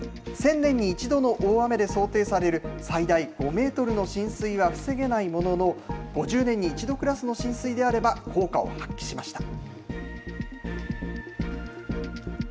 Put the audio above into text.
１０００年に１度の大雨で想定される最大５メートルの浸水は防げないものの、５０年に１度クラスの浸水であれば、効果を発揮しました。